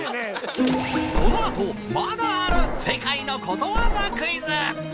このあとまだある世界のことわざクイズ！